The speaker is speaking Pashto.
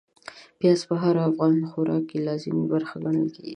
پياز په هر افغاني خوراک کې لازمي برخه ګڼل کېږي.